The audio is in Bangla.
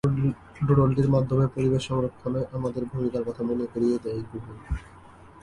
ডুডলটির মাধ্যমে পরিবেশ সংরক্ষণে আমাদের ভূমিকার কথা মনে করিয়ে দেয় গুগল।